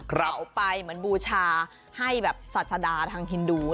เปล่าไปเหมือนบูชาให้สัจดาภาษาทางฮินดู